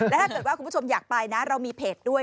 และถ้าเกิดว่าคุณผู้ชมอยากไปนะเรามีเพจด้วย